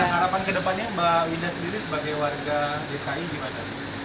nah harapan ke depannya mbak winda sendiri sebagai warga dki gimana